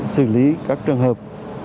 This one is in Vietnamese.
xử lý các trường hợp